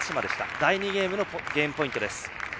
第２ゲームのゲームポイントです。